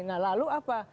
nah lalu apa